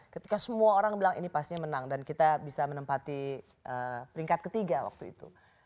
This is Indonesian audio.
ketika semua orang bilang ini pastinya menang dan kita bisa menempati peringkat ketiga waktu itu